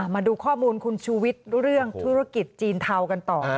มาดูข้อมูลคุณชูวิทย์เรื่องธุรกิจจีนเทากันต่อ